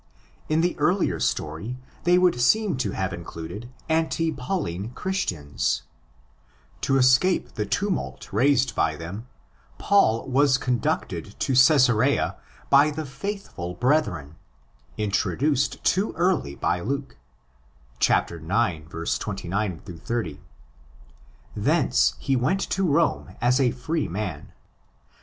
In the earlier story they would seem to have included anti Pauline Christians. To escape the tumult raised by them, Paul was conducted to Cesarea by the faithful "' brethren," introduced too THE ORIGIN OF ACTS 85 early by Luke (ix. 29 80). Thence he went to Rome as a free man.